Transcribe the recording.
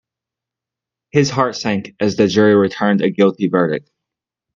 His heart sank as the jury returned a guilty verdict.